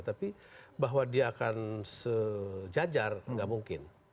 tapi bahwa dia akan sejajar nggak mungkin